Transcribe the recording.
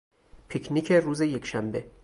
پیک نیک روز یکشنبه